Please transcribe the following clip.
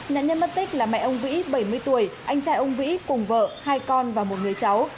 nạn nhân mất tích là mẹ ông vĩ bảy mươi tuổi anh trai ông vĩ cùng vợ hai con và một người cháu